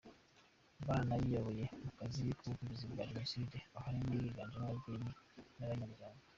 Baranariyoboye mu kazi k’ubuvugizi bw’abajenosideri ahanini higanjemo ababyeyi b’abanyamuryango.